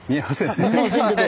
見えませんよね。